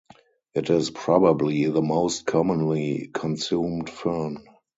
It is probably the most commonly consumed fern.